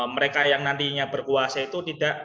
mereka yang nantinya berkuasa itu tidak